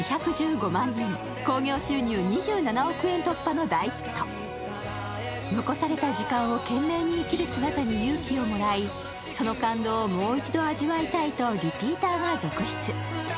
そしてトップ５は残された時間を懸命に生きる姿に勇気をもらいその感動をもう一度味わいたいとリピーターが続出。